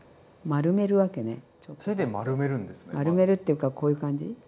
丸めるっていうかこういう感じ。